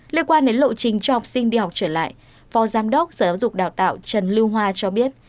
liên quan đến lộ trình cho học sinh đi học trở lại phó giám đốc sở giáo dục đào tạo trần lưu hoa cho biết